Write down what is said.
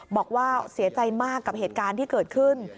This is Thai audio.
บอกว่าเสียใจมากกับเหตุการณ์ที่เกิดขึ้น